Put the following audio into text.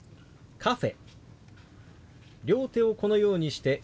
「カフェ」。